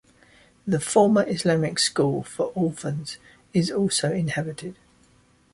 The former Islamic school for orphans is also inhabited.